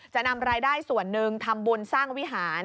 จะนำรายได้ส่วนหนึ่งทำบุญสร้างวิหาร